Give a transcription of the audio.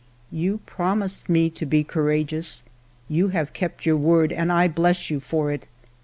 " You promised me to be courageous. You have kept your word, and I bless you for it.